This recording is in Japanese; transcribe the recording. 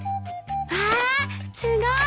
わあすごい！